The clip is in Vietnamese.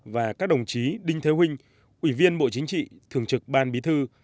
và các đồng chí đinh thế huynh ủy viên bộ chính trị thường trực ban bí thư